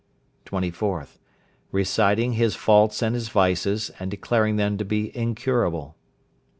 24th. Reciting his faults and his vices, and declaring them to be incurable.